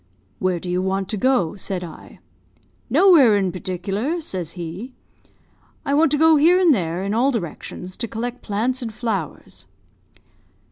"'Where do you want to go?' said I. "'Nowhere in particular,' says he. 'I want to go here and there, in all directions, to collect plants and flowers.'